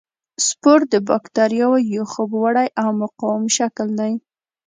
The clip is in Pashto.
سپور د باکتریاوو یو خوب وړی او مقاوم شکل دی.